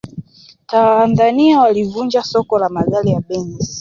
tanzania walivunja soko la magari ya benz